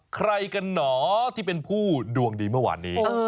ใครกันหนอที่เป็นผู้ดวงดีเมื่อวานนี้